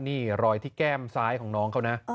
นี่รอยที่แก้มซ้ายของน้องเขานะ